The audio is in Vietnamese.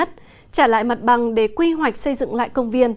trả lại mặt bằng để quy hoạch xây dựng lại công viên